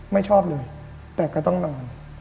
ไม่ชอบเลยแต่ก็ต้องนอน